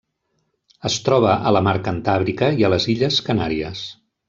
Es troba a la Mar Cantàbrica i a les Illes Canàries.